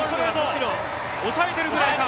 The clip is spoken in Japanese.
むしろ抑えているぐらいか？